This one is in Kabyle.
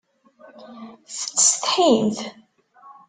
Tettsetḥimt?